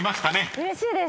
うれしいです。